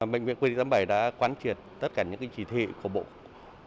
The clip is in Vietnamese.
bệnh viện quân y tám mươi bảy đã quán truyệt tất cả những chỉ thị của bộ chính phủ bộ y tế